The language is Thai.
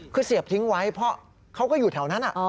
คือเสียบทิ้งไว้เพราะเขาก็อยู่แถวนั้น